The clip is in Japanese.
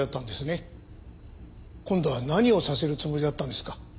今度は何をさせるつもりだったんですか？